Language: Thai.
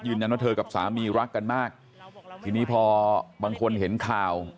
ว่าเธอกับสามีรักกันมากทีนี้พอบางคนเห็นข่าว